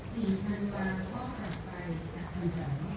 สี่พันวาพ่อหักไปอธัยหลัง